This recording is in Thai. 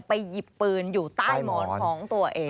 หยิบปืนอยู่ใต้มอนของตัวเอง